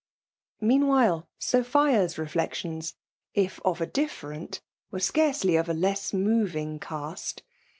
Meanwhile, Sophia*s reflections, if of a diflPer ent, were scarcely of a less moving cast.